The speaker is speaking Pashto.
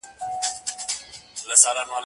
هم له پوهي دی بې برخي هم له لوسته څخه ځغلي